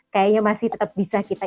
kayaknya masih tetap bisa kita